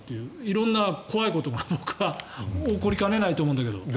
色んな怖いことが起こりかねないと思うんだけど。